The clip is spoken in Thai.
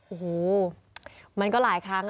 โอ้โหมันก็หลายครั้ง